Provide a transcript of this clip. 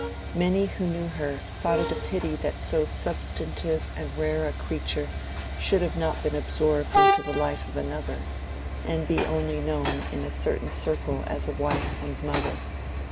Many who knew her, thought it a pity that so substantive and rare a creature should have been absorbed into the life of another, and be only known in a certain circle as a wife and mother.